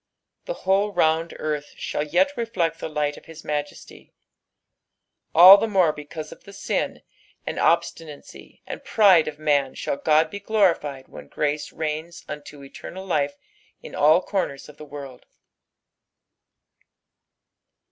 The whole round earth shall yet reflect the liuht of his majesty. All the more because of the sin, and obstinacy, and pride Of man shall Qod be glorified when grace reigns unto eternal life in all comers of the world.